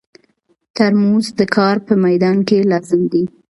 ترموز د کار په مېدان کې لازم دی.